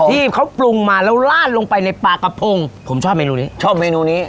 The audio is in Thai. ที่เขาปรุงมาแล้วลาดลงไปในปลากระพงผมชอบเมนูนี้ชอบเมนูนี้